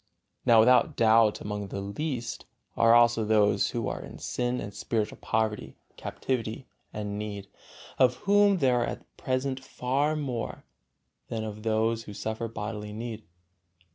Now without doubt among the "least" are also those who are in sin and spiritual poverty, captivity and need, of whom there are at present far more than of those who suffer bodily need.